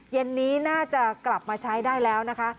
เย็นนี้น่าจะกลับมาใช้ได้แล้วนะคะ